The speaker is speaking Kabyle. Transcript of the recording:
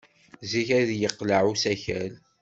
Zik ay yeqleɛ usakal.